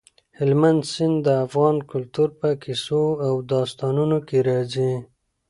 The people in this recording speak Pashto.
هلمند سیند د افغان کلتور په کیسو او داستانونو کې راځي.